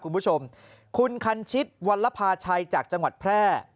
คุณผู้ชมคุณคันชิตวรภาชัยจากจังหวัดแพร่